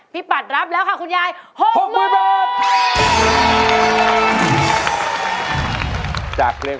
คุณปัดรับแล้วค่ะหกมือ